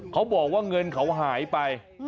เขาบอกว่าเงินเขาหายไป